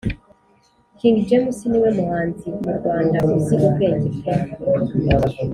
King James niwe muhanzi mu Rwanda uzi ubwenge pe